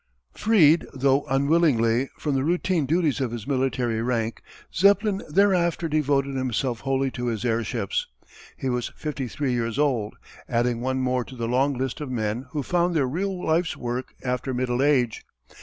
Freed, though unwillingly, from the routine duties of his military rank, Zeppelin thereafter devoted himself wholly to his airships. He was fifty three years old, adding one more to the long list of men who found their real life's work after middle age.